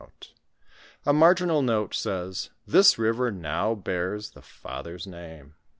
*• A marginal note says, "This river now bears the father's name."